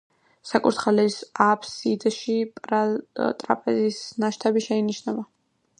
საკურთხევლის აფსიდში ტრაპეზის ნაშთები შეინიშნება.